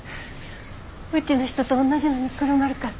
うちの人とおんなじのにくるまるから。